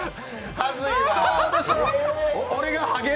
恥ずいわ。